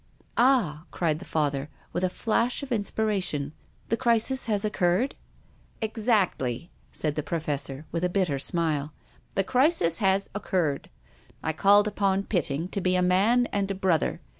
" "Ah !" cried the Father, with a flash of inspira tion. " The crisis has occurred ?"" Exactly," said the Professor, with a bitter smile. " The crisis has occurred. I called upon Pitting to be a man and a brother.